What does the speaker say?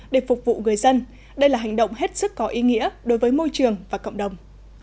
để phục vụ người dân đây là hành động hết sức có ý nghĩa đối với môi trường và cộng đồng